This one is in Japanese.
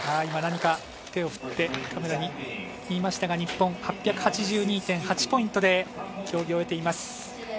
今、何か手を振ってカメラに言いましたが、日本、８８２．８ポイントで競技を終えています。